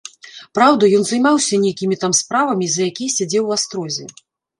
Праўда, ён займаўся нейкімі там справамі, за якія сядзеў у астрозе.